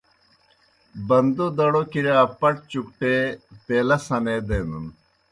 بندو دڑو کِرِیا پٹ چُکٹے، پیلہ سنے دینَن۔